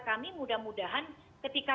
kami mudah mudahan ketika